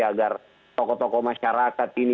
agar tokoh tokoh masyarakat bisa berkembang